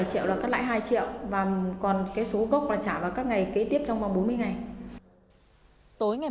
một mươi triệu là cắt lại hai triệu và còn cái số gốc là trả vào các ngày kế tiếp trong vòng bốn mươi ngày